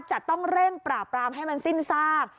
จะต้องเร่งปราบรามให้มันสิ้นซาก